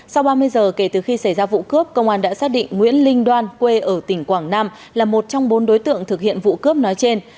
sau ba mươi giờ kể từ khi xảy ra vụ cướp công an đã xác định nguyễn linh đoan quê ở tỉnh quảng nam là một trong bốn đối tượng thực hiện vụ cướp nói trên